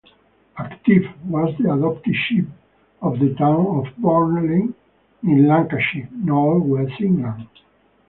"Active" was the adopted ship of the town of Burnley in Lancashire, North-West England.